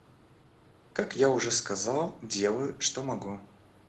Как я уже сказал, делаю, что могу.